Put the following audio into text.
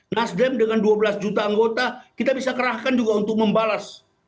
nasdem dengan dua belas juta anggota kita bisa kerahkan juga untuk membalas